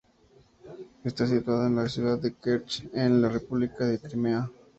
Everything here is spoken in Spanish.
Está situada en la ciudad de Kerch, en la República de Crimea.